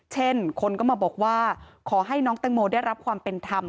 เช่นคนก็มาบอกว่าขอให้น้องแตงโมได้รับความเป็นธรรม